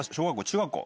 中学校？